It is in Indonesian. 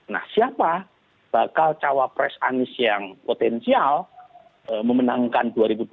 nah siapa bakal cawapres anies yang potensial memenangkan dua ribu dua puluh